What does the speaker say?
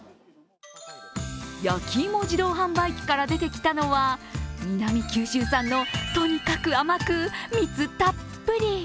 焼き芋自動販売機から出てきたのは南九州産のとにかく甘く蜜たっぷり。